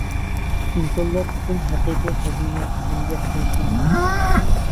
ئىنسانلار ئۈچۈن ھەقىقىي خەزىنە-ئەمگەك قىلىشنى بىلىشتۇر.